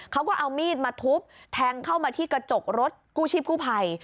เขาก็เอามีดมาทุบแทงเข้ามาที่กระจกรถกู้ชีพกู้ภัย